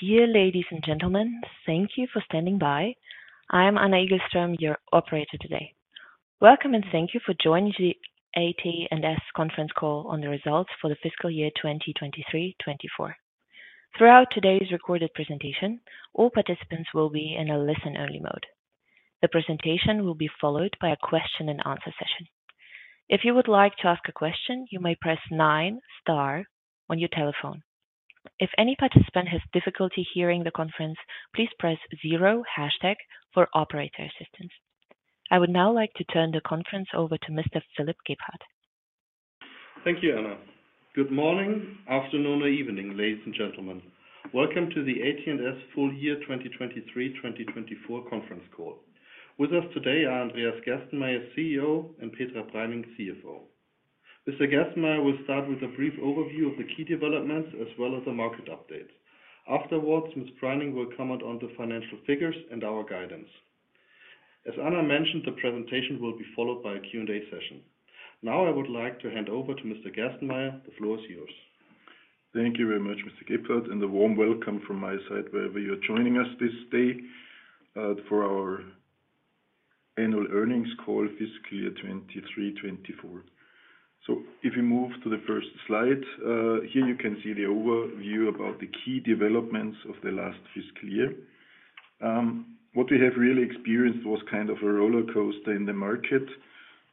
Dear ladies and gentlemen, thank you for standing by. I am Anna Engström, your operator today. Welcome, and thank you for joining the AT&S conference call on the results for the fiscal year 2023/2024. Throughout today's recorded presentation, all participants will be in a listen-only mode. The presentation will be followed by a question-and-answer session. If you would like to ask a question, you may press nine star on your telephone. If any participant has difficulty hearing the conference, please press zero pound for operator assistance. I would now like to turn the conference over to Mr. Philipp Gebhardt. Thank you, Anna. Good morning, afternoon, or evening, ladies and gentlemen. Welcome to the AT&S full year 2023/24 conference call. With us today are Andreas Gerstenmayer, CEO, and Petra Preining, CFO. Mr. Gerstenmayer will start with a brief overview of the key developments as well as the market updates. Afterwards, Ms. Preining will comment on the financial figures and our guidance. As Anna mentioned, the presentation will be followed by a Q&A session. Now I would like to hand over to Mr. Gerstenmayer. The floor is yours. Thank you very much, Mr. Gebhardt, and a warm welcome from my side wherever you are joining us this day for our annual earnings call fiscal year 2023/2024. So if we move to the first slide, here you can see the overview about the key developments of the last fiscal year. What we have really experienced was kind of a roller coaster in the market.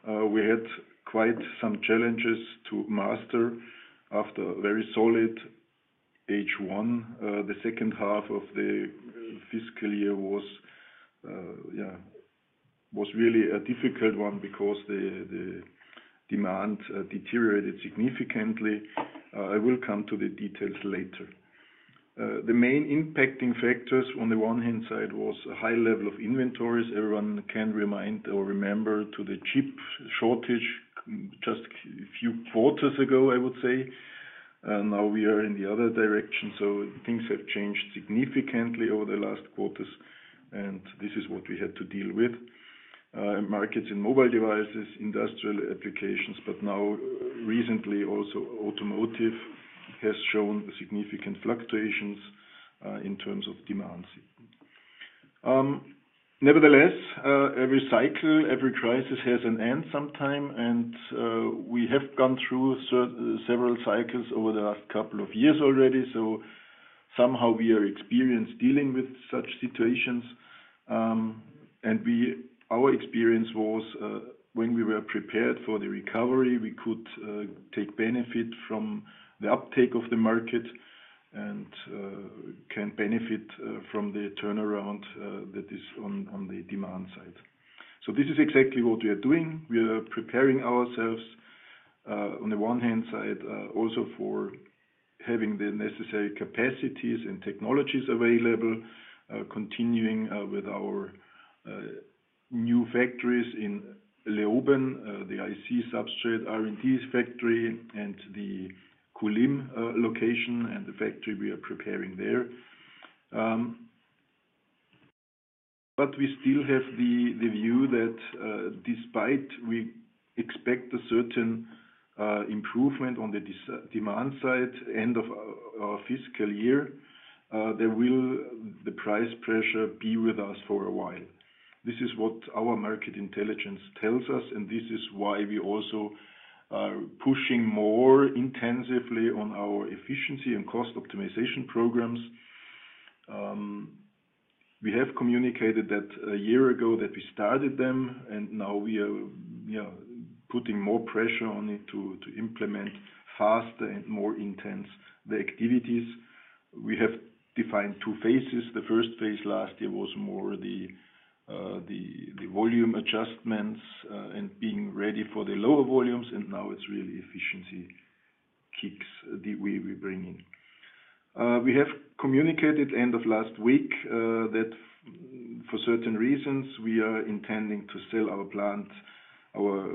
We had quite some challenges to master after a very solid H1. The second half of the fiscal year was really a difficult one because the demand deteriorated significantly. I will come to the details later. The main impacting factors, on the one hand side, was a high level of inventories. Everyone can remember the chip shortage just a few quarters ago, I would say. Now we are in the other direction, so things have changed significantly over the last quarters, and this is what we had to deal with: markets in mobile devices, industrial applications, but now recently also automotive has shown significant fluctuations in terms of demands. Nevertheless, every cycle, every crisis has an end sometime, and we have gone through several cycles over the last couple of years already. Somehow we are experienced dealing with such situations. Our experience was when we were prepared for the recovery, we could take benefit from the uptake of the market and can benefit from the turnaround that is on the demand side. This is exactly what we are doing. We are preparing ourselves, on the one hand side, also for having the necessary capacities and technologies available, continuing with our new factories in Leoben, the IC substrate, R&D factory, and the Kulim location and the factory we are preparing there. But we still have the view that despite we expect a certain improvement on the demand side end of our fiscal year, the price pressure will be with us for a while. This is what our market intelligence tells us, and this is why we are also pushing more intensively on our efficiency and cost optimization programs. We have communicated a year ago that we started them, and now we are putting more pressure on it to implement faster and more intense the activities. We have defined two phases. The first phase last year was more the volume adjustments and being ready for the lower volumes, and now it's really efficiency kicks that we bring in. We have communicated end of last week that for certain reasons we are intending to sell our plant, our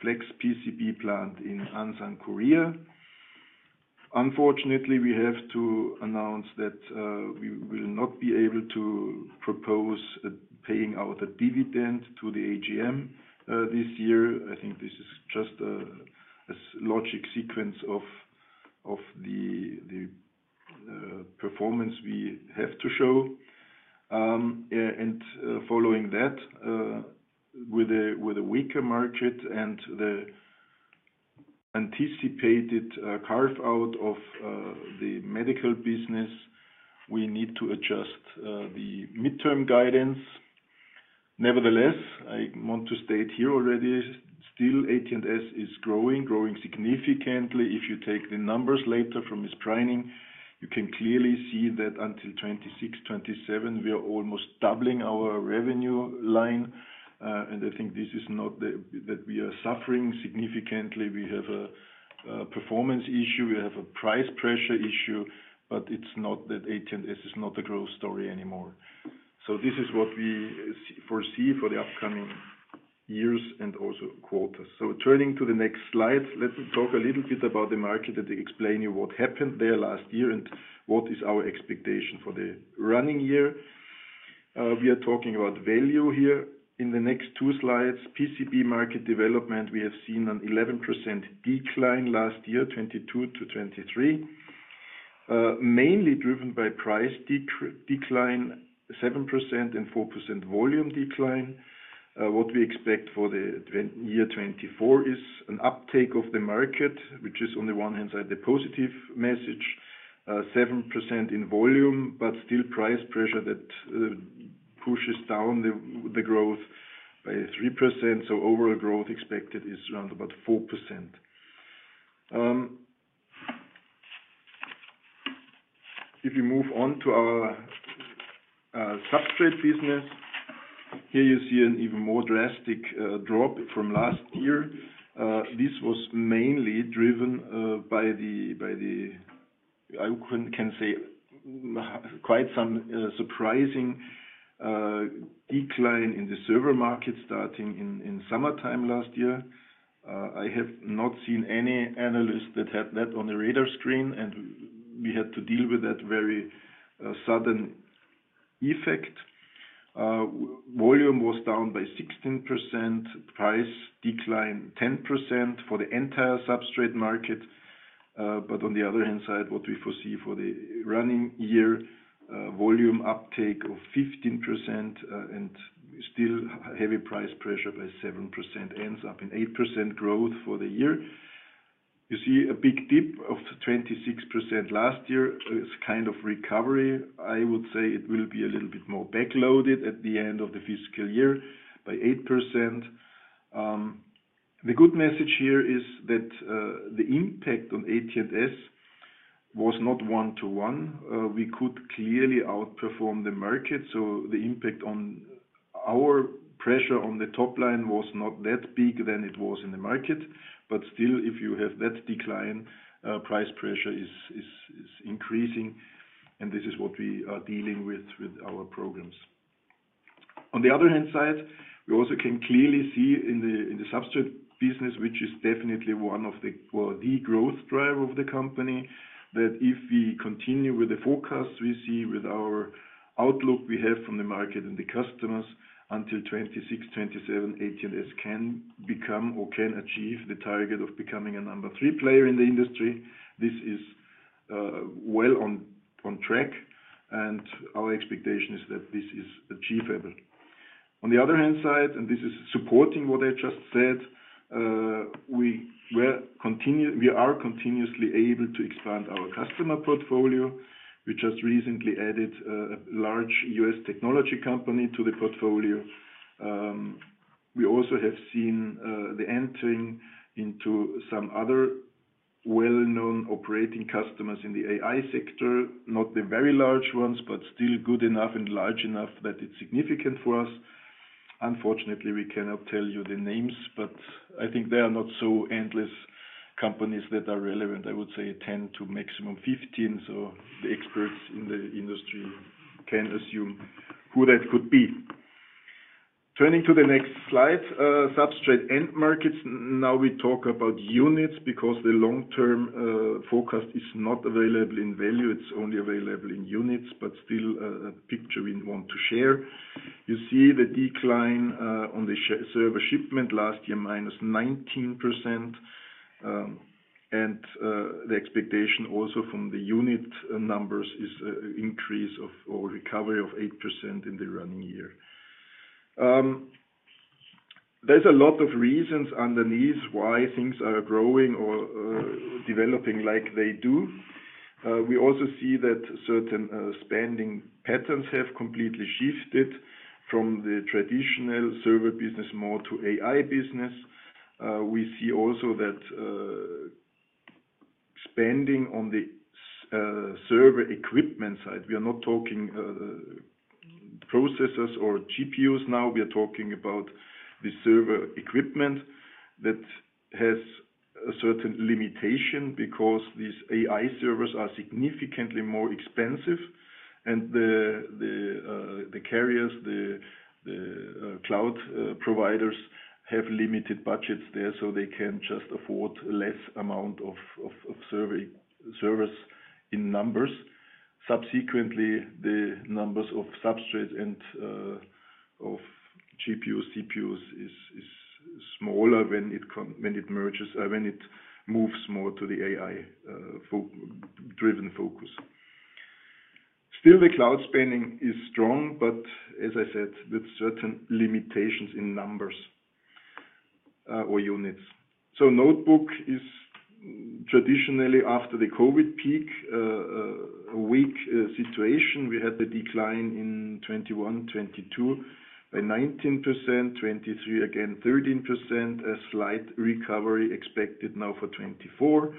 flex PCB plant, in Ansan, Korea. Unfortunately, we have to announce that we will not be able to propose paying out a dividend to the AGM this year. I think this is just a logical sequence of the performance we have to show. Following that, with a weaker market and the anticipated carve-out of the medical business, we need to adjust the midterm guidance. Nevertheless, I want to state here already, still AT&S is growing, growing significantly. If you take the numbers later from Ms. Preining, you can clearly see that until 2026/2027, we are almost doubling our revenue line. I think this is not that we are suffering significantly. We have a performance issue. We have a price pressure issue, but it's not that AT&S is not a growth story anymore. So this is what we foresee for the upcoming years and also quarters. So turning to the next slide, let me talk a little bit about the market and explain to you what happened there last year and what is our expectation for the running year. We are talking about value here. In the next two slides, PCB market development, we have seen an 11% decline last year, 2022-2023, mainly driven by price decline, 7%, and 4% volume decline. What we expect for the year 2024 is an uptake of the market, which is on the one hand side the positive message, 7% in volume, but still price pressure that pushes down the growth by 3%. So overall growth expected is around about 4%. If we move on to our substrate business, here you see an even more drastic drop from last year. This was mainly driven by the, I can say, quite some surprising decline in the server market starting in summertime last year. I have not seen any analysts that had that on the radar screen, and we had to deal with that very sudden effect. Volume was down by 16%, price decline 10% for the entire substrate market. But on the other hand side, what we foresee for the running year, volume uptake of 15% and still heavy price pressure by 7% ends up in 8% growth for the year. You see a big dip of 26% last year. It's kind of recovery. I would say it will be a little bit more backloaded at the end of the fiscal year by 8%. The good message here is that the impact on AT&S was not one-to-one. We could clearly outperform the market. So the impact on our pressure on the top line was not that big than it was in the market. But still, if you have that decline, price pressure is increasing, and this is what we are dealing with with our programs. On the other hand side, we also can clearly see in the substrate business, which is definitely one of the growth drivers of the company, that if we continue with the forecasts we see with our outlook we have from the market and the customers until 2026/2027, AT&S can become or can achieve the target of becoming a number three player in the industry. This is well on track, and our expectation is that this is achievable. On the other hand side, and this is supporting what I just said, we are continuously able to expand our customer portfolio. We just recently added a large US technology company to the portfolio. We also have seen the entering into some other well-known operating customers in the AI sector, not the very large ones, but still good enough and large enough that it's significant for us. Unfortunately, we cannot tell you the names, but I think they are not so endless companies that are relevant. I would say 10 to maximum 15, so the experts in the industry can assume who that could be. Turning to the next slide, substrate end markets, now we talk about units because the long-term forecast is not available in value. It's only available in units, but still a picture we want to share. You see the decline on the server shipment last year, -19%. The expectation also from the unit numbers is an increase or recovery of 8% in the running year. There's a lot of reasons underneath why things are growing or developing like they do. We also see that certain spending patterns have completely shifted from the traditional server business more to AI business. We see also that spending on the server equipment side, we are not talking processors or GPUs now. We are talking about the server equipment that has a certain limitation because these AI servers are significantly more expensive, and the carriers, the cloud providers have limited budgets there, so they can just afford a less amount of servers in numbers. Subsequently, the numbers of substrates and of GPUs, CPUs is smaller when it merges, when it moves more to the AI-driven focus. Still, the cloud spending is strong, but as I said, with certain limitations in numbers or units. So notebook is traditionally after the COVID peak, a weak situation. We had the decline in 2021/2022 by 19%, 2023 again, 13%, a slight recovery expected now for 2024.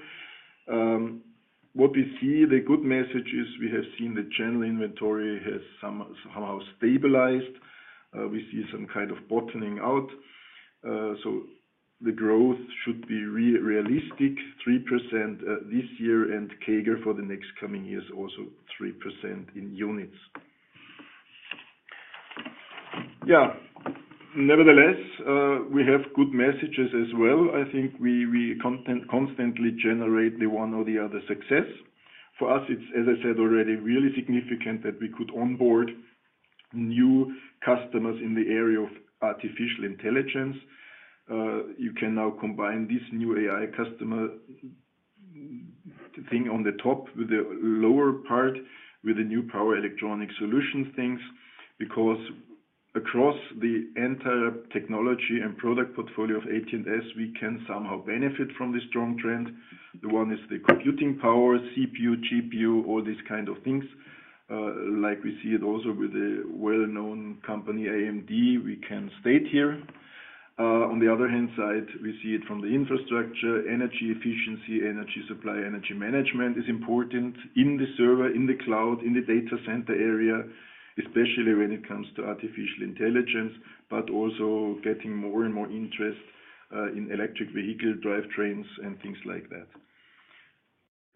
What we see, the good message is we have seen the general inventory has somehow stabilized. We see some kind of bottoming out. So the growth should be realistic, 3% this year and CAGR for the next coming years also 3% in units. Yeah. Nevertheless, we have good messages as well. I think we constantly generate the one or the other success. For us, it's, as I said already, really significant that we could onboard new customers in the area of artificial intelligence. You can now combine this new AI customer thing on the top with the lower part with the new power electronic solutions things because across the entire technology and product portfolio of AT&S, we can somehow benefit from this strong trend. The one is the computing power, CPU, GPU, all these kind of things. Like we see it also with the well-known company AMD, we can state here. On the other hand side, we see it from the infrastructure, energy efficiency, energy supply, energy management is important in the server, in the cloud, in the data center area, especially when it comes to artificial intelligence, but also getting more and more interest in electric vehicle drivetrains and things like that.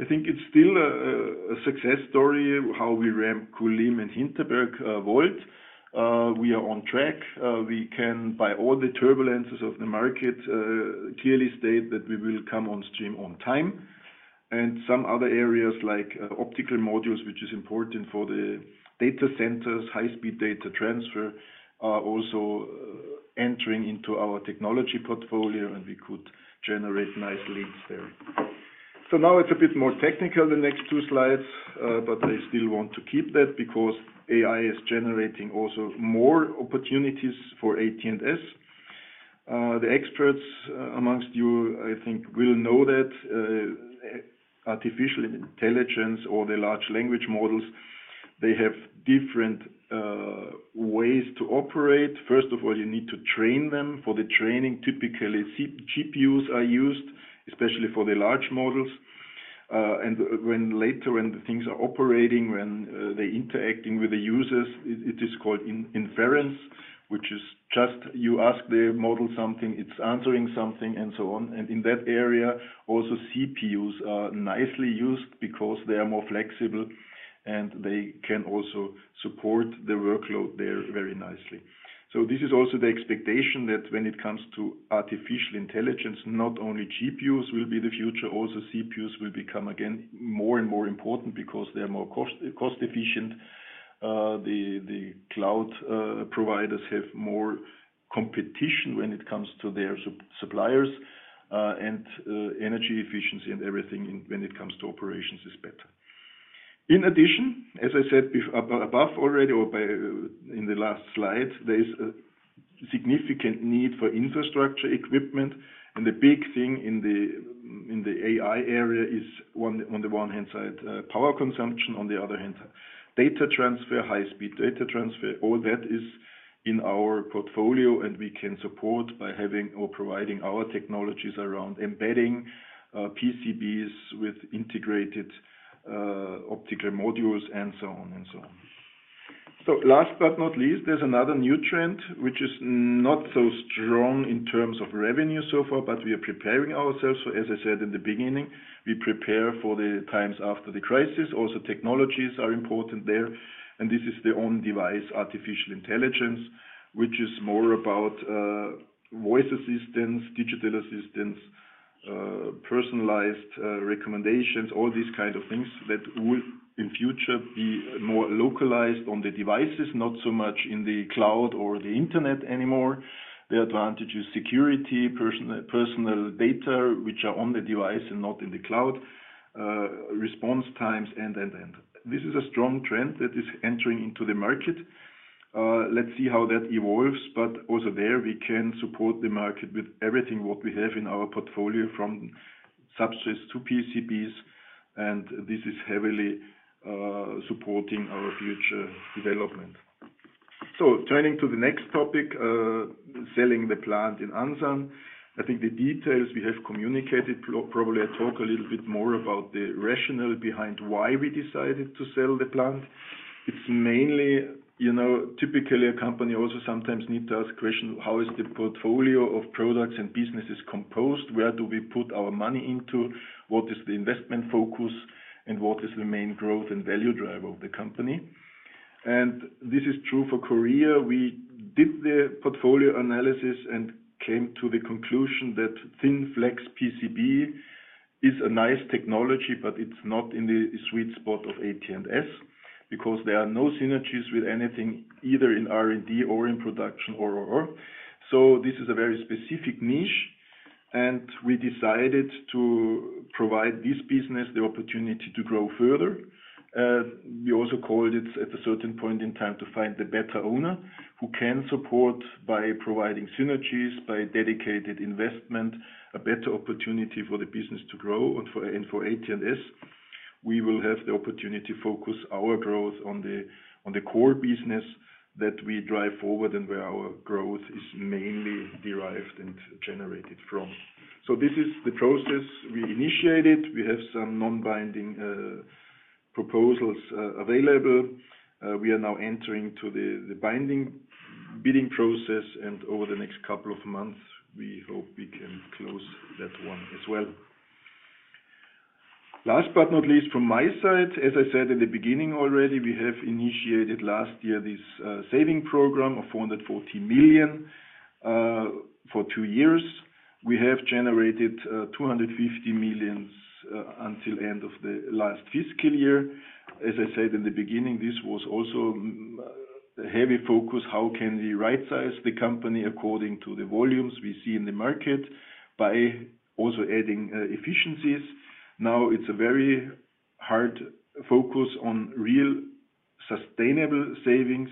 I think it's still a success story how we ramp Kulim and Hinterberg plant. We are on track. We can, by all the turbulences of the market, clearly state that we will come on stream on time. And some other areas like optical modules, which is important for the data centers, high-speed data transfer, are also entering into our technology portfolio, and we could generate nice leads there. So now it's a bit more technical, the next two slides, but I still want to keep that because AI is generating also more opportunities for AT&S. The experts amongst you, I think, will know that artificial intelligence or the large language models, they have different ways to operate. First of all, you need to train them. For the training, typically GPUs are used, especially for the large models. And later, when the things are operating, when they're interacting with the users, it is called inference, which is just you ask the model something, it's answering something, and so on. And in that area, also CPUs are nicely used because they are more flexible and they can also support the workload there very nicely. So this is also the expectation that when it comes to artificial intelligence, not only GPUs will be the future, also CPUs will become again more and more important because they are more cost-efficient. The cloud providers have more competition when it comes to their suppliers, and energy efficiency and everything when it comes to operations is better. In addition, as I said above already or in the last slide, there is a significant need for infrastructure equipment. The big thing in the AI area is, on the one hand side, power consumption, on the other hand, data transfer, high-speed data transfer. All that is in our portfolio, and we can support by having or providing our technologies around embedding PCBs with integrated optical modules and so on and so on. Last but not least, there's another new trend which is not so strong in terms of revenue so far, but we are preparing ourselves. As I said in the beginning, we prepare for the times after the crisis. Also, technologies are important there. And this is the on-device artificial intelligence, which is more about voice assistants, digital assistants, personalized recommendations, all these kind of things that will in future be more localized on the devices, not so much in the cloud or the internet anymore. The advantage is security, personal data, which are on the device and not in the cloud, response times, and, and, and. This is a strong trend that is entering into the market. Let's see how that evolves. But also there, we can support the market with everything what we have in our portfolio from substrates to PCBs. And this is heavily supporting our future development. So turning to the next topic, selling the plant in Ansan. I think the details we have communicated probably I'll talk a little bit more about the rationale behind why we decided to sell the plant. It's mainly, typically a company also sometimes needs to ask the question, how is the portfolio of products and businesses composed? Where do we put our money into? What is the investment focus? And what is the main growth and value driver of the company? And this is true for Korea. We did the portfolio analysis and came to the conclusion that thin flex PCB is a nice technology, but it's not in the sweet spot of AT&S because there are no synergies with anything either in R&D or in production or. So this is a very specific niche. And we decided to provide this business the opportunity to grow further. We also sold it at a certain point in time to find the better owner who can support by providing synergies, by dedicated investment, a better opportunity for the business to grow and for AT&S. We will have the opportunity to focus our growth on the core business that we drive forward and where our growth is mainly derived and generated from. So this is the process we initiated. We have some non-binding proposals available. We are now entering to the binding bidding process, and over the next couple of months, we hope we can close that one as well. Last but not least, from my side, as I said in the beginning already, we have initiated last year this saving program of 440 million for two years. We have generated 250 million until the end of the last fiscal year. As I said in the beginning, this was also a heavy focus, how can we right-size the company according to the volumes we see in the market by also adding efficiencies. Now it's a very hard focus on real sustainable savings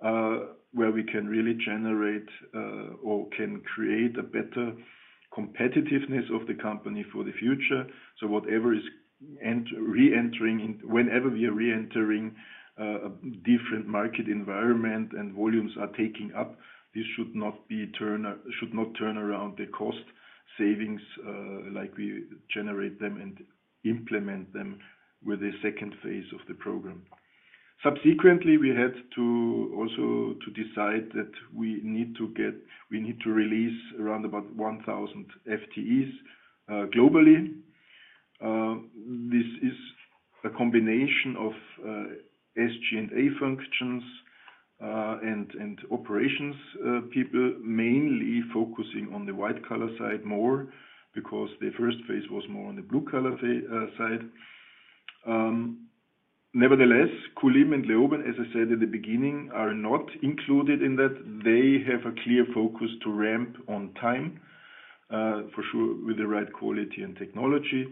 where we can really generate or can create a better competitiveness of the company for the future. So whatever is re-entering whenever we are re-entering a different market environment and volumes are taking up, this should not turn around the cost savings like we generate them and implement them with the second phase of the program. Subsequently, we had to also decide that we need to release around about 1,000 FTEs globally. This is a combination of SG&A functions and operations people mainly focusing on the white-collar side more because the first phase was more on the blue-collar side. Nevertheless, Kulim and Leoben, as I said in the beginning, are not included in that. They have a clear focus to ramp on time, for sure, with the right quality and technology.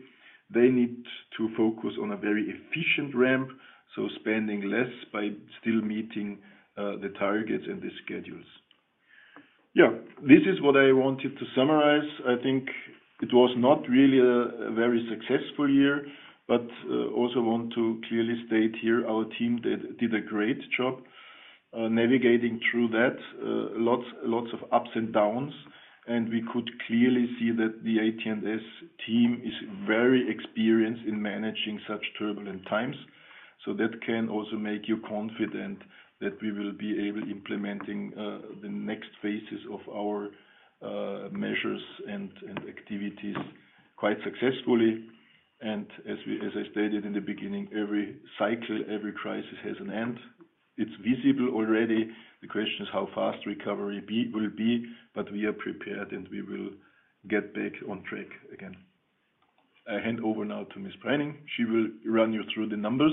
They need to focus on a very efficient ramp, so spending less by still meeting the targets and the schedules. Yeah. This is what I wanted to summarize. I think it was not really a very successful year, but also want to clearly state here our team did a great job navigating through that, lots of ups and downs. We could clearly see that the AT&S team is very experienced in managing such turbulent times. That can also make you confident that we will be able implementing the next phases of our measures and activities quite successfully. As I stated in the beginning, every cycle, every crisis has an end. It's visible already. The question is how fast recovery will be, but we are prepared and we will get back on track again. I hand over now to Ms. Preining. She will run you through the numbers.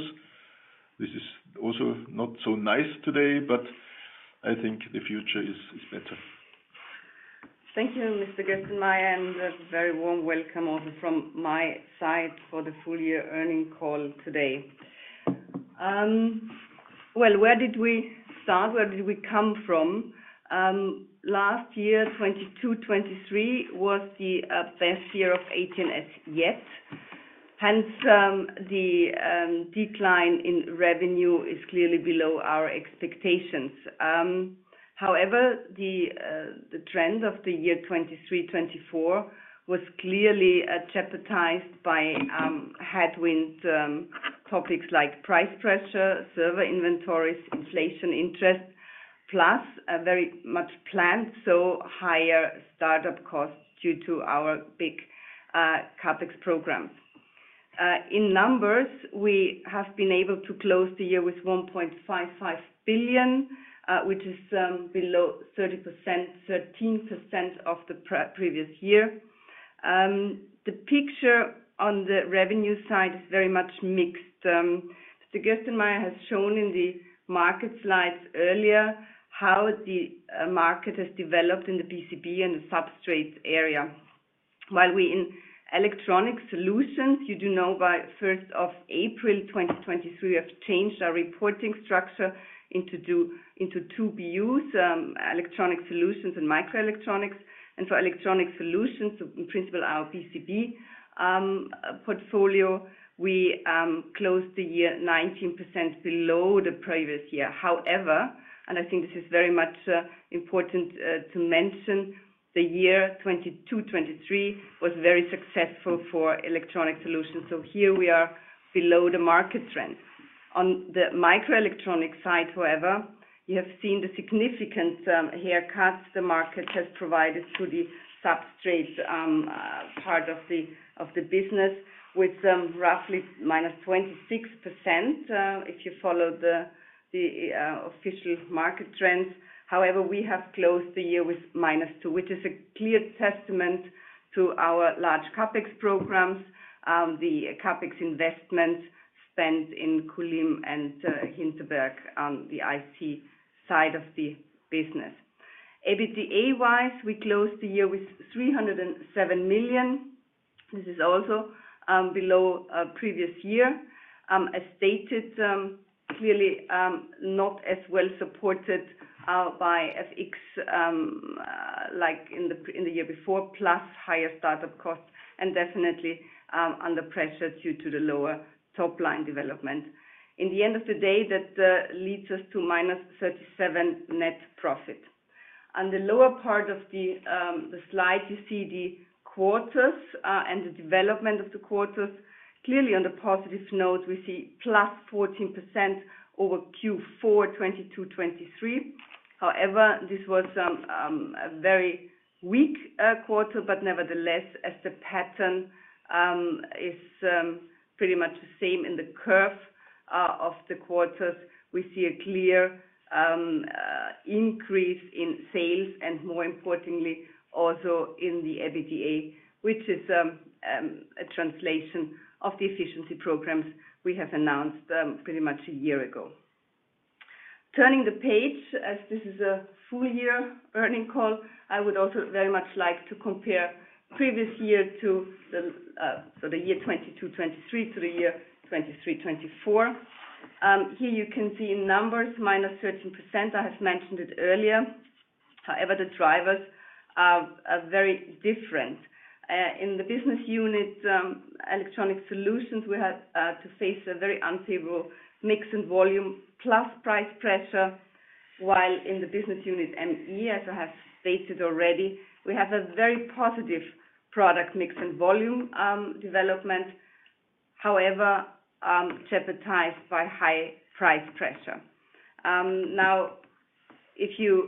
This is also not so nice today, but I think the future is better. Thank you, Mr. Gerstenmayer, and a very warm welcome also from my side for the full-year earnings call today. Well, where did we start? Where did we come from? Last year, 2022/2023, was the best year of AT&S yet. Hence, the decline in revenue is clearly below our expectations. However, the trend of the year 2023/2024 was clearly jeopardized by headwind topics like price pressure, server inventories, inflation, interest, plus very much planned so higher startup costs due to our big CapEx programs. In numbers, we have been able to close the year with 1.55 billion, which is below 30%, 13% of the previous year. The picture on the revenue side is very much mixed. Mr. Gerstenmayer has shown in the market slides earlier how the market has developed in the PCB and the substrate area. While we in Electronic Solutions, you do know by 1st of April 2023, we have changed our reporting structure into two BUs, Electronic Solutions and Microelectronics. For Electronic Solutions, in principle, our PCB portfolio, we closed the year 19% below the previous year. However, and I think this is very much important to mention, the year 2022/2023 was very successful for Electronic Solutions. So here we are below the market trend. On the microelectronic side, however, you have seen the significant haircuts the market has provided to the substrate part of the business with roughly -26% if you follow the official market trends. However, we have closed the year with -2%, which is a clear testament to our large CapEx programs, the CapEx investment spent in Kulim and Hinterberg on the IC side of the business. EBITDA-wise, we closed the year with 307 million. This is also below a previous year, as stated, clearly not as well supported by FX like in the year before, plus higher startup costs and definitely under pressure due to the lower top-line development. In the end of the day, that leads us to -37 million net profit. On the lower part of the slide, you see the quarters and the development of the quarters. Clearly, on the positive note, we see +14% over Q4 2022/2023. However, this was a very weak quarter, but nevertheless, as the pattern is pretty much the same in the curve of the quarters, we see a clear increase in sales and, more importantly, also in the EBITDA, which is a translation of the efficiency programs we have announced pretty much a year ago. Turning the page, as this is a full-year earnings call, I would also very much like to compare the previous year to the year 2022/2023 to the year 2023/2024. Here you can see in numbers, -13%. I have mentioned it earlier. However, the drivers are very different. In the business unit, Electronic Solutions, we had to face a very unfavorable mix and volume plus price pressure. While in the business unit ME, as I have stated already, we have a very positive product mix and volume development, however, jeopardized by high price pressure. Now, if you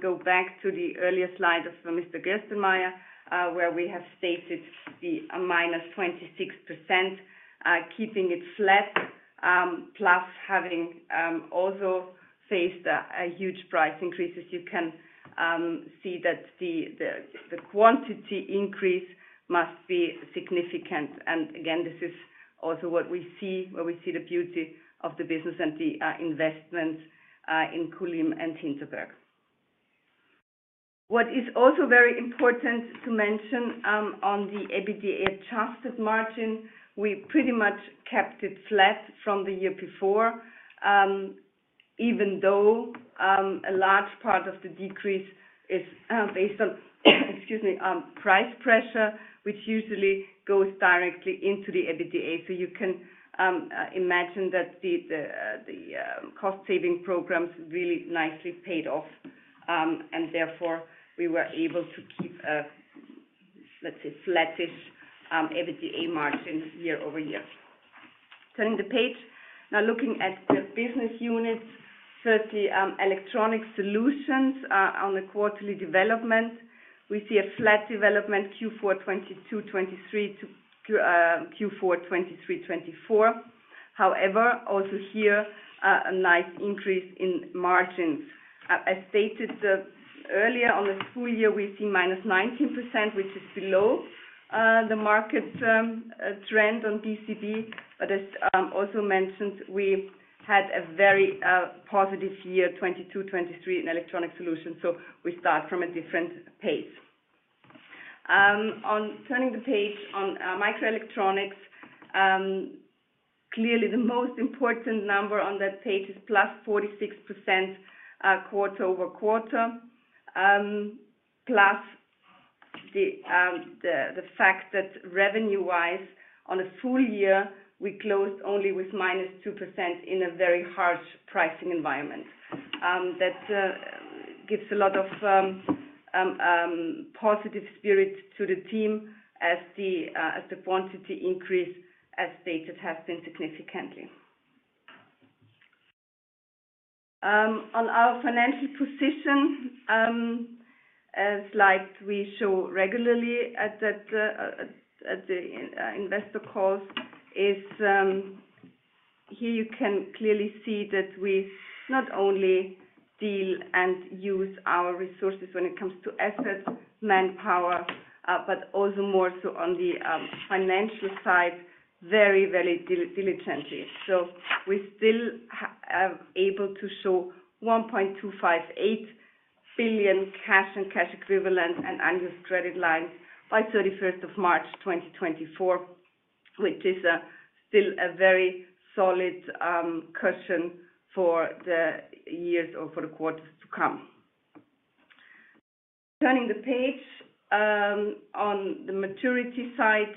go back to the earlier slide of Mr. Gerstenmayer where we have stated the -26% keeping it flat, plus having also faced huge price increases, you can see that the quantity increase must be significant. And again, this is also what we see where we see the beauty of the business and the investments in Kulim and Hinterberg. What is also very important to mention on the EBITDA adjusted margin, we pretty much kept it flat from the year before, even though a large part of the decrease is based on, excuse me, price pressure, which usually goes directly into the EBITDA. So you can imagine that the cost-saving programs really nicely paid off, and therefore, we were able to keep a, let's say, flattish EBITDA margin year-over-year. Turning the page. Now, looking at the business units, firstly, Electronic Solutions on the quarterly development, we see a flat development Q4 2022/2023 to Q4 2023/2024. However, also here, a nice increase in margins. As stated earlier on this full year, we see -19%, which is below the market trend on PCB. But as also mentioned, we had a very positive year, 2022/2023, in Electronic Solutions. So we start from a different pace. On turning the page on Microelectronics, clearly, the most important number on that page is +46% quarter-over-quarter, plus the fact that revenue-wise, on a full year, we closed only with -2% in a very harsh pricing environment. That gives a lot of positive spirit to the team as the quantity increase, as stated, has been significantly. On our financial position, as we show regularly at the investor calls, here you can clearly see that we not only deal and use our resources when it comes to assets, manpower, but also more so on the financial side, very, very diligently. So we still are able to show 1.258 billion cash and cash equivalent and unused credit lines by 31st of March 2024, which is still a very solid cushion for the years or for the quarters to come. Turning the page on the maturity side,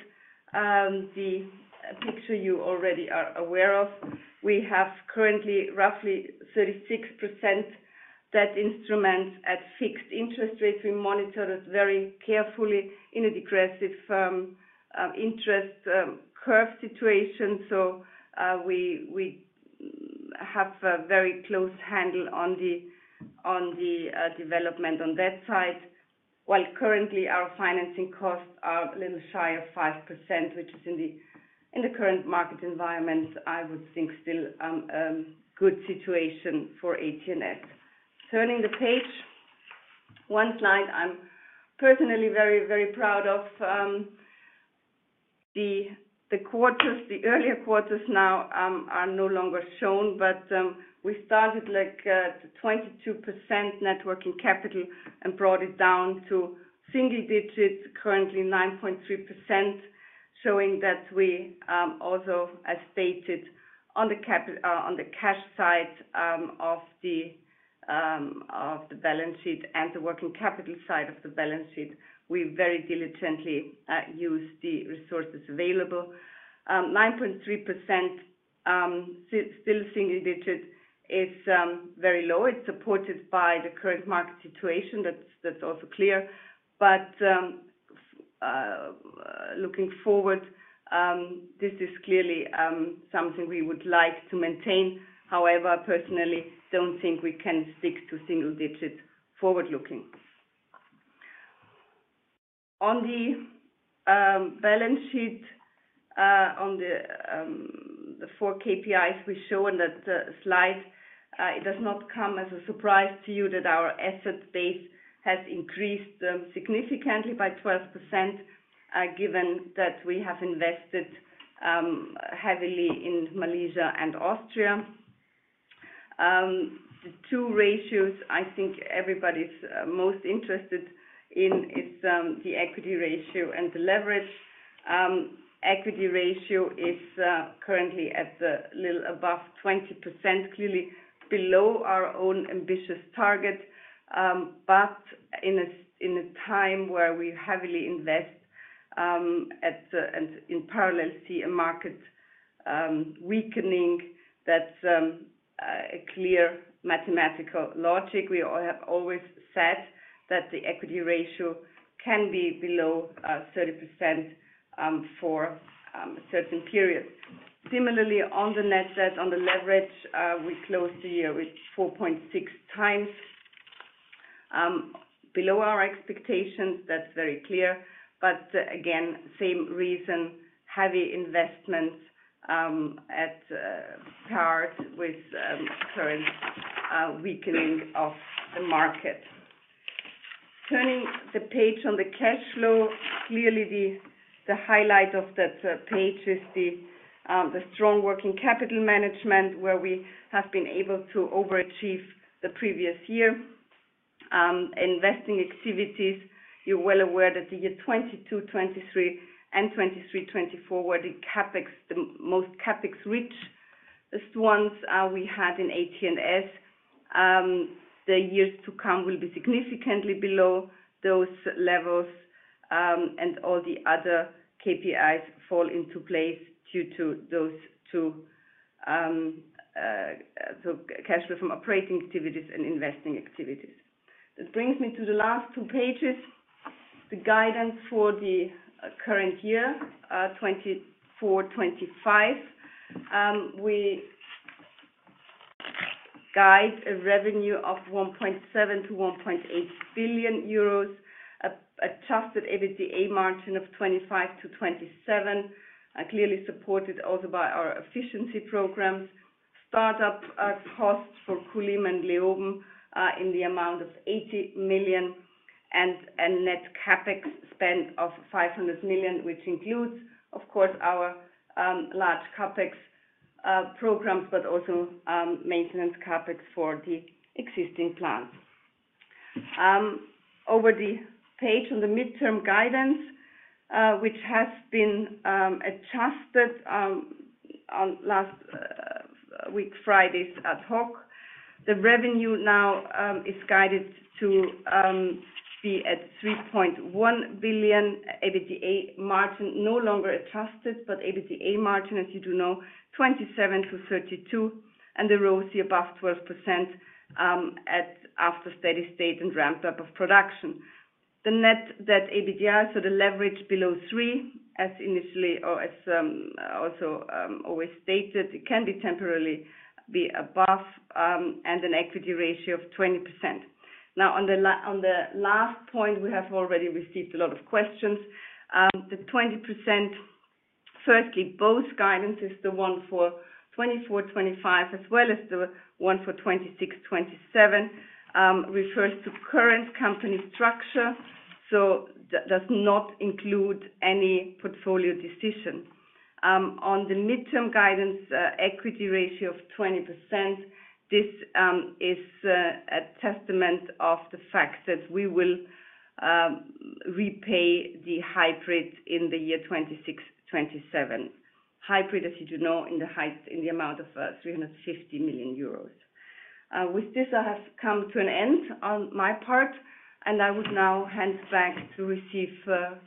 the picture you already are aware of, we have currently roughly 36% debt instruments at fixed interest rates. We monitor that very carefully in a degressive interest curve situation. So we have a very close handle on the development on that side. While currently, our financing costs are a little shy of 5%, which is in the current market environment, I would think still a good situation for AT&S. Turning the page. One slide I'm personally very, very proud of. The earlier quarters now are no longer shown, but we started at 22% net working capital and brought it down to single digits, currently 9.3%, showing that we also, as stated, on the cash side of the balance sheet and the working capital side of the balance sheet, we very diligently use the resources available. 9.3%, still single digit, is very low. It's supported by the current market situation. That's also clear. But looking forward, this is clearly something we would like to maintain. However, I personally don't think we can stick to single digits forward-looking. On the balance sheet, on the four KPIs we show on that slide, it does not come as a surprise to you that our asset base has increased significantly by 12% given that we have invested heavily in Malaysia and Austria. The two ratios I think everybody's most interested in is the equity ratio and the leverage. Equity ratio is currently a little above 20%, clearly below our own ambitious target. But in a time where we heavily invest and in parallel see a market weakening, that's a clear mathematical logic. We have always said that the equity ratio can be below 30% for certain periods. Similarly, on the net debt, on the leverage, we closed the year with 4.6 times below our expectations. That's very clear. But again, same reason, heavy investments at par with current weakening of the market. Turning the page on the cash flow, clearly, the highlight of that page is the strong working capital management where we have been able to overachieve the previous year. Investing activities, you're well aware that the year 2022/2023 and 2023/2024 were the most CapEx-richest ones we had in AT&S. The years to come will be significantly below those levels, and all the other KPIs fall into place due to those two, so cash flow from operating activities and investing activities. That brings me to the last two pages, the guidance for the current year, 2024/2025. We guide a revenue of 1.7 billion-1.8 billion euros, adjusted EBITDA margin of 25%-27%, clearly supported also by our efficiency programs, startup costs for Kulim and Leoben in the amount of 80 million, and a net CapEx spend of 500 million, which includes, of course, our large CapEx programs, but also maintenance CapEx for the existing plants. Over the page on the midterm guidance, which has been adjusted last week, Friday's ad hoc, the revenue now is guided to be at 3.1 billion EBITDA margin, no longer adjusted, but EBITDA margin, as you do know, 27%-32%, and the ROCE above 12% after steady state and ramp-up of production. The Net Debt/EBITDA, so the leverage below 3, as initially or as also always stated, it can temporarily be above, and an equity ratio of 20%. Now, on the last point, we have already received a lot of questions. The 20%, firstly, both guidances, the one for 2024/2025 as well as the one for 2026/2027, refers to current company structure, so does not include any portfolio decision. On the midterm guidance, equity ratio of 20%, this is a testament of the fact that we will repay the hybrid in the year 2026/2027, hybrid, as you do know, in the amount of 350 million euros. With this, I have come to an end on my part, and I would now hand back to receive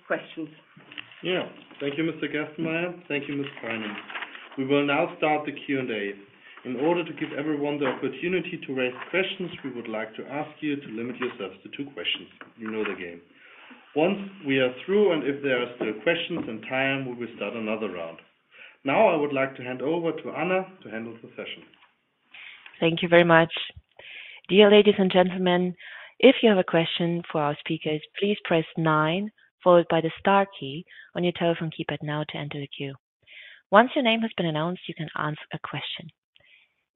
questions. Yeah. Thank you, Mr. Gerstenmayer. Thank you, Ms. Preining. We will now start the Q&A. In order to give everyone the opportunity to raise questions, we would like to ask you to limit yourselves to two questions. You know the game. Once we are through, and if there are still questions and time, we will start another round. Now, I would like to hand over to Anna to handle the session. Thank you very much. Dear ladies and gentlemen, if you have a question for our speakers, please press nine followed by the star key on your telephone keypad now to enter the queue. Once your name has been announced, you can answer a question.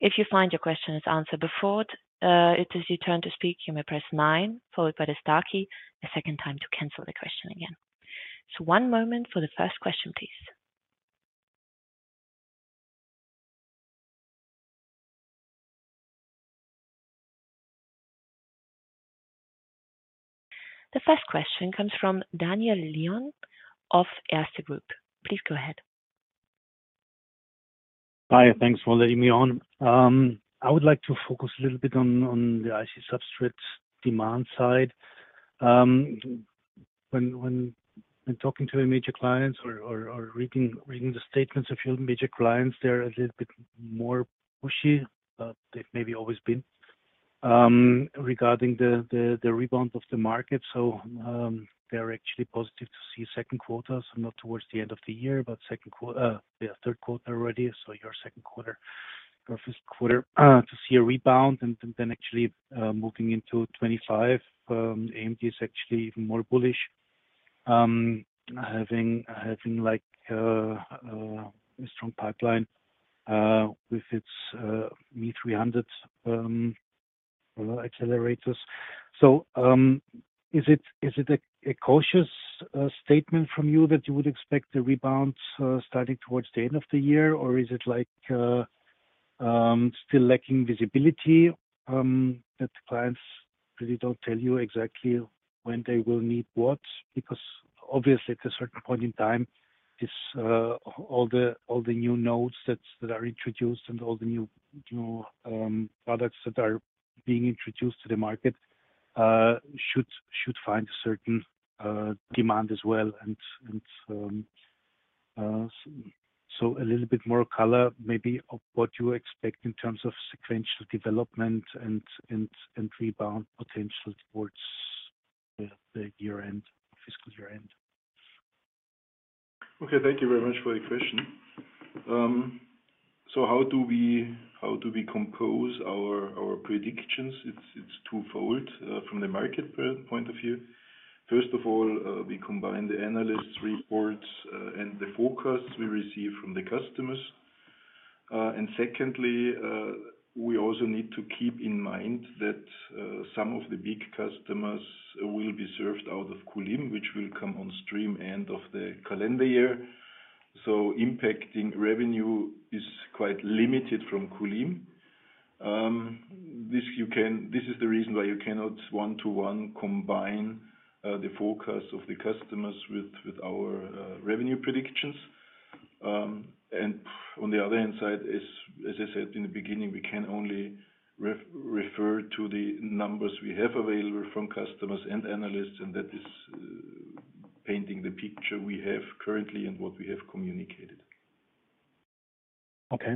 If you find your question is answered before it is your turn to speak, you may press nine followed by the star key a second time to cancel the question again. So one moment for the first question, please. The first question comes from Daniel Lion of Erste Group. Please go ahead. Hi. Thanks for letting me on. I would like to focus a little bit on the IC substrate demand side. When talking to our major clients or reading the statements of your major clients, they're a little bit more pushy. They've maybe always been regarding the rebound of the market. So they're actually positive to see second quarters, not towards the end of the year, but second, we are third quarter already. So your second quarter, your first quarter, to see a rebound and then actually moving into 2025, AMD is actually even more bullish, having a strong pipeline with its MI300 accelerators. So is it a cautious statement from you that you would expect the rebound starting towards the end of the year, or is it still lacking visibility that clients really don't tell you exactly when they will need what? Because obviously, at a certain point in time, all the new nodes that are introduced and all the new products that are being introduced to the market should find a certain demand as well. And so a little bit more color, maybe, of what you expect in terms of sequential development and rebound potential towards the year-end, fiscal year-end? Okay. Thank you very much for the question. So how do we compose our predictions? It's twofold from the market point of view. First of all, we combine the analysts' reports and the forecasts we receive from the customers. And secondly, we also need to keep in mind that some of the big customers will be served out of Kulim, which will come on stream end of the calendar year. So impacting revenue is quite limited from Kulim. This is the reason why you cannot one-to-one combine the forecasts of the customers with our revenue predictions. On the other hand side, as I said in the beginning, we can only refer to the numbers we have available from customers and analysts, and that is painting the picture we have currently and what we have communicated. Okay.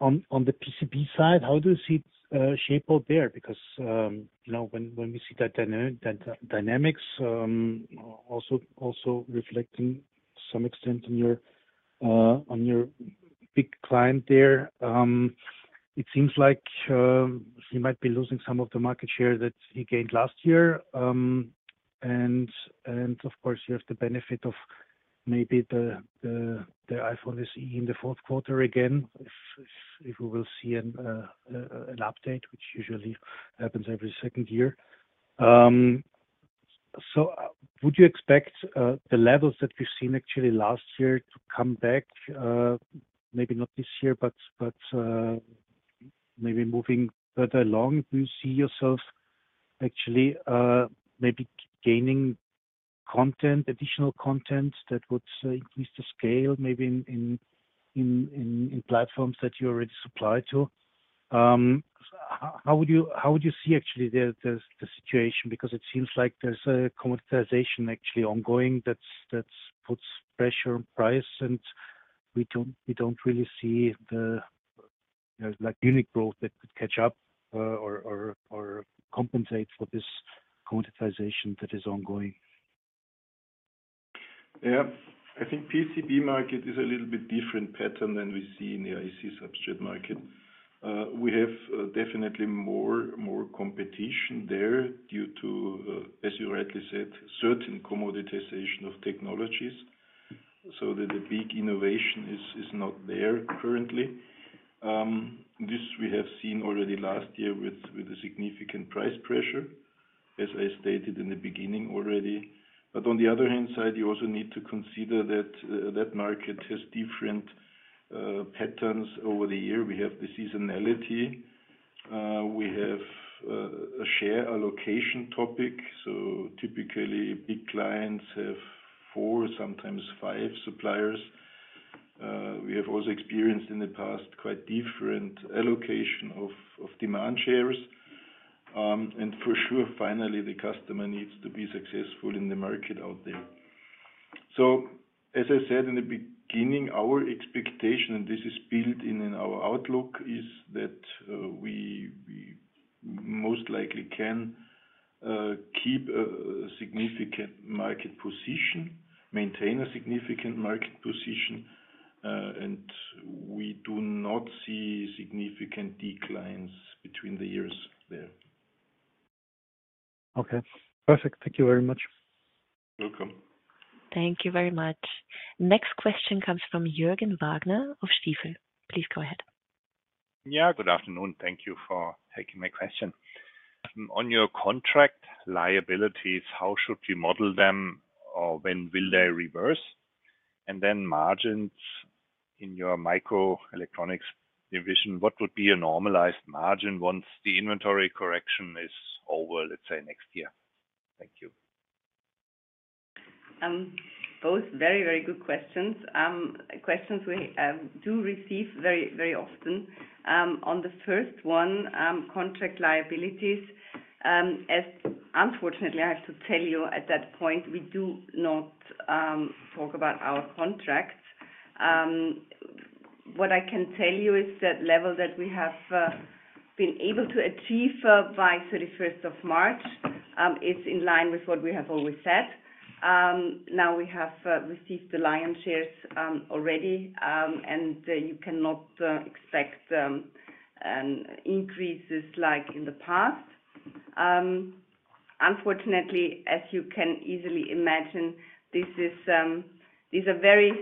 On the PCB side, how does it shape out there? Because when we see that dynamics, also reflecting to some extent on your big client there, it seems like he might be losing some of the market share that he gained last year. And of course, you have the benefit of maybe the iPhone SE in the fourth quarter again, if we will see an update, which usually happens every second year. So would you expect the levels that we've seen actually last year to come back, maybe not this year, but maybe moving further along? Do you see yourself actually maybe gaining additional content that would increase the scale maybe in platforms that you already supply to? How would you see actually the situation? Because it seems like there's a commoditization actually ongoing that puts pressure on price, and we don't really see the unique growth that could catch up or compensate for this commoditization that is ongoing. Yeah. I think PCB market is a little bit different pattern than we see in the IC substrate market. We have definitely more competition there due to, as you rightly said, certain commoditization of technologies. So the big innovation is not there currently. This we have seen already last year with a significant price pressure, as I stated in the beginning already. But on the other hand side, you also need to consider that that market has different patterns over the year. We have the seasonality. We have a share allocation topic. So typically, big clients have four, sometimes five suppliers. We have also experienced in the past quite different allocation of demand shares. And for sure, finally, the customer needs to be successful in the market out there. So as I said in the beginning, our expectation, and this is built in in our outlook, is that we most likely can keep a significant market position, maintain a significant market position, and we do not see significant declines between the years there. Okay. Perfect. Thank you very much. Welcome. Thank you very much. Next question comes from Jürgen Wagner of Stifel. Please go ahead. Yeah. Good afternoon. Thank you for taking my question. On your contract liabilities, how should we model them, or when will they reverse? Then margins in your Microelectronics division, what would be a normalized margin once the inventory correction is over, let's say, next year? Thank you. Both very, very good questions. Questions we do receive very, very often. On the first one, contract liabilities, unfortunately, I have to tell you at that point, we do not talk about our contracts. What I can tell you is that level that we have been able to achieve by 31st of March is in line with what we have always said. Now, we have received the lion's shares already, and you cannot expect increases like in the past. Unfortunately, as you can easily imagine, these are very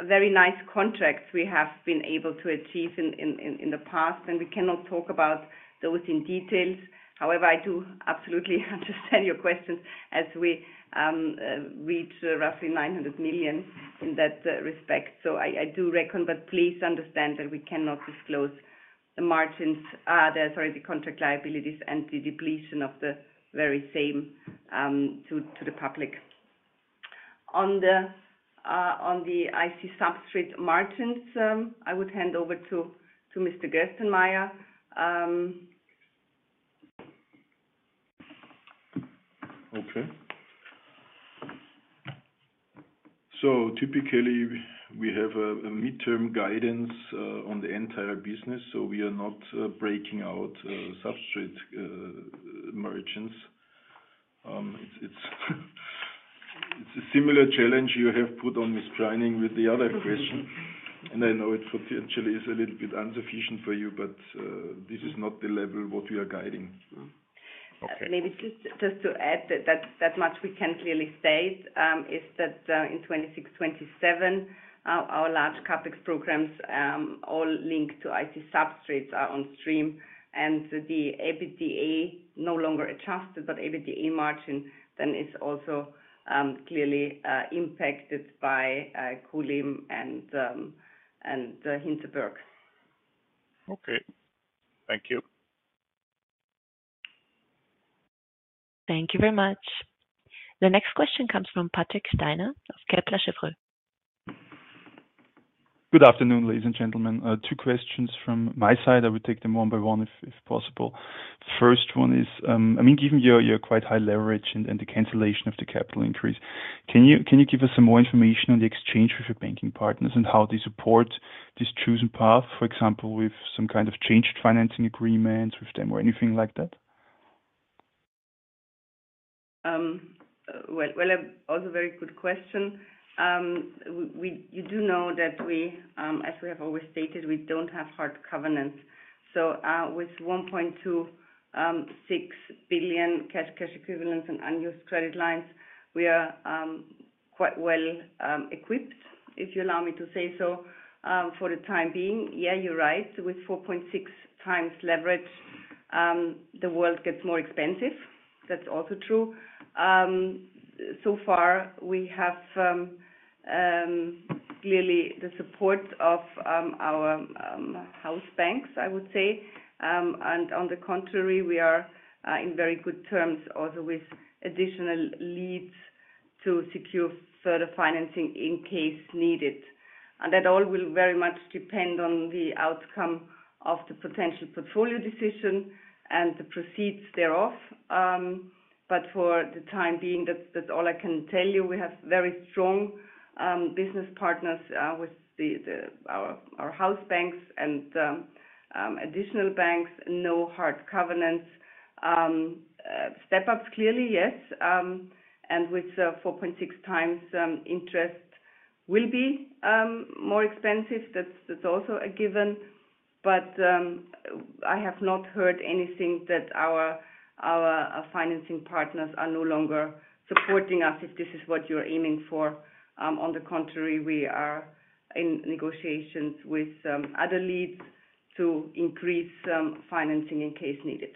nice contracts we have been able to achieve in the past, and we cannot talk about those in details. However, I do absolutely understand your questions as we reach roughly 900 million in that respect. So I do reckon, but please understand that we cannot disclose the margins, sorry, the contract liabilities, and the depletion of the very same to the public. On the IC substrate margins, I would hand over to Mr. Gerstenmayer. Okay. So typically, we have a midterm guidance on the entire business, so we are not breaking out substrate margins. It's a similar challenge you have put on Ms. Preining with the other question. And I know it potentially is a little bit insufficient for you, but this is not the level what we are guiding. Maybe just to add that much we can clearly state is that in 2026/2027, our large CapEx programs all linked to IC substrates are on stream. And the EBITDA no longer adjusted, but EBITDA margin then is also clearly impacted by Kulim and Hinterberg. Okay. Thank you. Thank you very much. The next question comes from Patrick Steiner of Kepler Cheuvreux. Good afternoon, ladies and gentlemen. Two questions from my side. I would take them one by one if possible. First one is, I mean, given your quite high leverage and the cancellation of the capital increase, can you give us some more information on the exchange with your banking partners and how they support this chosen path, for example, with some kind of changed financing agreements with them or anything like that? Well, also very good question. You do know that, as we have always stated, we don't have hard covenants. So with 1.26 billion cash equivalents and unused credit lines, we are quite well equipped, if you allow me to say so, for the time being. Yeah, you're right. With 4.6x leverage, the world gets more expensive. That's also true. So far, we have clearly the support of our house banks, I would say. And on the contrary, we are in very good terms also with additional leads to secure further financing in case needed. And that all will very much depend on the outcome of the potential portfolio decision and the proceeds thereof. But for the time being, that's all I can tell you. We have very strong business partners with our house banks and additional banks, no hard covenants. Step-ups, clearly, yes. And with 4.6 times interest, will be more expensive. That's also a given. But I have not heard anything that our financing partners are no longer supporting us if this is what you're aiming for. On the contrary, we are in negotiations with other leads to increase financing in case needed.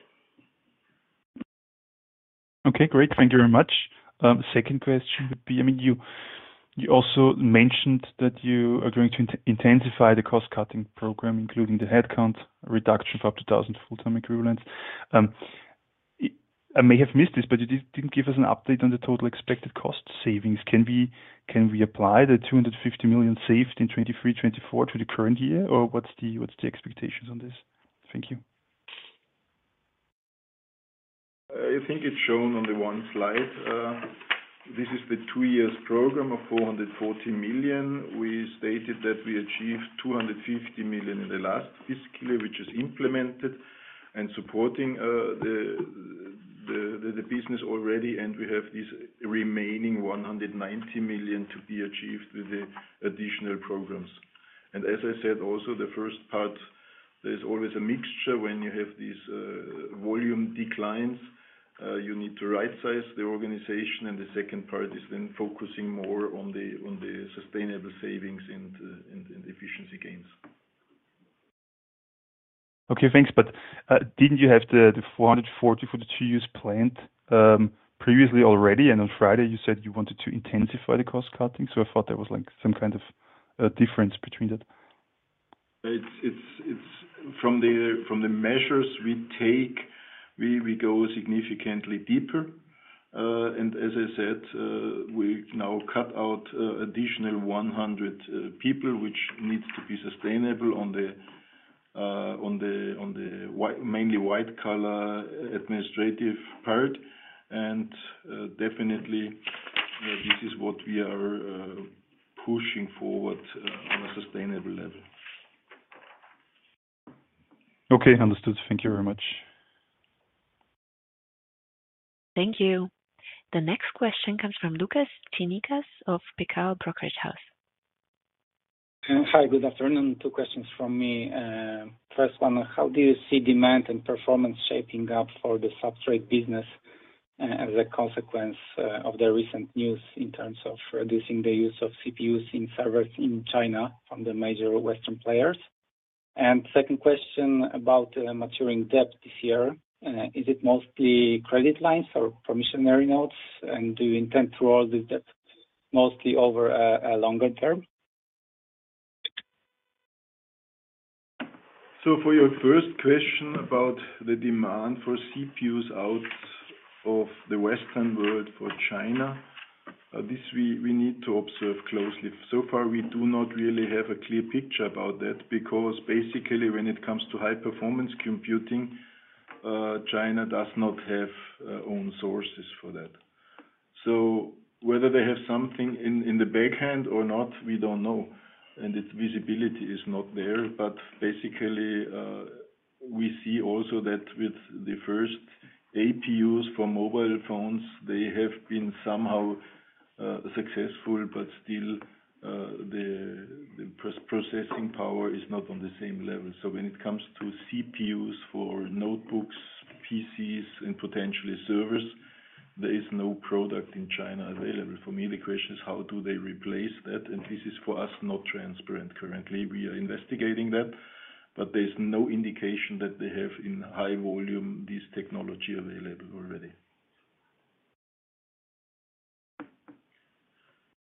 Okay. Great. Thank you very much. Second question would be, I mean, you also mentioned that you are going to intensify the cost-cutting program, including the headcount reduction of up to 1,000 full-time equivalents. I may have missed this, but you didn't give us an update on the total expected cost savings. Can we apply the 250 million saved in 2023/2024 to the current year, or what's the expectations on this? Thank you. I think it's shown on the one slide. This is the two-year program of 440 million. We stated that we achieved 250 million in the last fiscal year, which is implemented and supporting the business already. And we have this remaining 190 million to be achieved with the additional programs. And as I said also, the first part, there is always a mixture. When you have these volume declines, you need to right-size the organization. And the second part is then focusing more on the sustainable savings and efficiency gains. Okay. Thanks. But didn't you have the 440 for the two-year planned previously already? And on Friday, you said you wanted to intensify the cost-cutting. So I thought there was some kind of difference between that. From the measures we take, we go significantly deeper. And as I said, we now cut out additional 100 people, which needs to be sustainable on the mainly white-collar administrative part. And definitely, this is what we are pushing forward on a sustainable level. Okay. Understood. Thank you very much. Thank you. The next question comes from Łukasz Cinikas of Pekao Investment Banking. Hi. Good afternoon. Two questions from me. First one, how do you see demand and performance shaping up for the substrate business as a consequence of the recent news in terms of reducing the use of CPUs in servers in China from the major Western players? And second question about maturing debt this year. Is it mostly credit lines or promissory notes? And do you intend to roll this debt mostly over a longer term? So for your first question about the demand for CPUs out of the Western world for China, this we need to observe closely. So far, we do not really have a clear picture about that because basically, when it comes to high-performance computing, China does not have own sources for that. So whether they have something in the backhand or not, we don't know. And its visibility is not there. But basically, we see also that with the first APUs for mobile phones, they have been somehow successful, but still, the processing power is not on the same level. So when it comes to CPUs for notebooks, PCs, and potentially servers, there is no product in China available. For me, the question is, how do they replace that? And this is for us not transparent currently. We are investigating that. But there's no indication that they have in high volume this technology available already.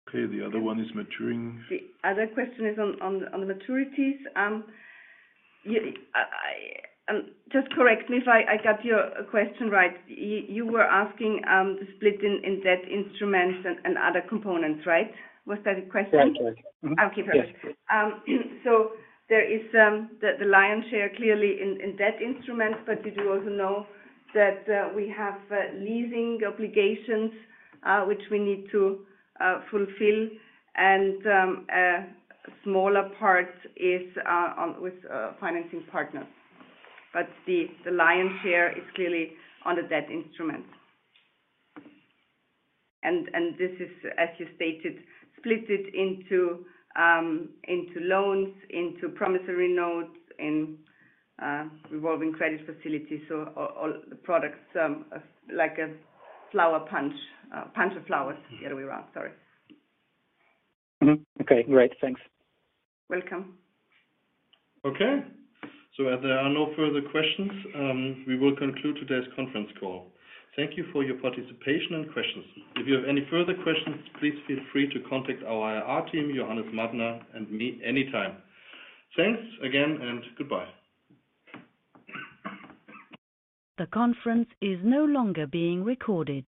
Okay. The other one is maturing. The other question is on the maturities. Just correct me if I got your question right. You were asking the split in debt instruments and other components, right? Was that the question? Correct. Okay. Perfect. So there is the lion's share clearly in debt instruments, but you do also know that we have leasing obligations, which we need to fulfill. A smaller part is with financing partners. But the lion's share is clearly on the debt instruments. And this is, as you stated, split it into loans, into promissory notes, in revolving credit facilities, so all the products like a bunch of flowers. The other way around. Sorry. Okay. Great. Thanks. Welcome. Okay. So if there are no further questions, we will conclude today's conference call. Thank you for your participation and questions. If you have any further questions, please feel free to contact our IR team, Johannes Madner, and me anytime. Thanks again, and goodbye. The conference is no longer being recorded.